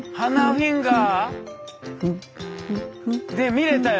見れたよ！